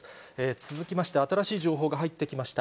続きまして、新しい情報が入ってきました。